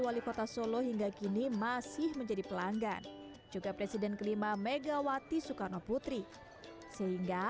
wali kota solo hingga kini masih menjadi pelanggan juga presiden kelima megawati soekarno putri sehingga